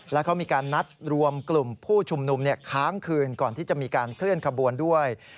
และเขามีการนัดรวมกลุ่มผู้ชุมนุมค้างคืนก่อนที่จะมีการเคลื่อนขบวนด้วย